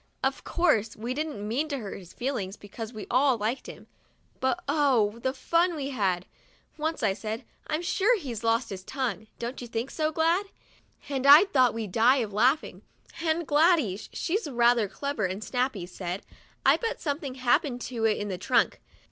Of course, we didn't mean to hurt his feelings, because we all like him, but oh ! the fun we had ! Once I said, " I'm sure he's lost 54 THURSDAY— SPANKED his tongue, don't you think so, Glad?" and I thought we'd die of laughing. And Gladys, she's rather clever and snappy, said, "I bet something happened to it in the trunk.